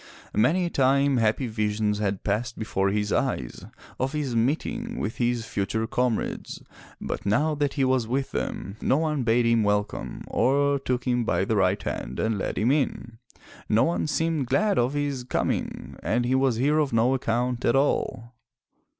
Many a time happy visions had passed before his eyes of his meeting with his future com rades, but now that he was with them, no one bade him welcome, or took him by the right hand and led him in; no one seemed glad of his coming and he was here of no account at all.